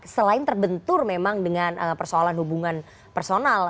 selain terbentur memang dengan persoalan hubungan personal